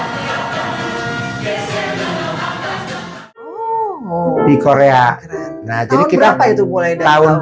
tahun berapa itu mulai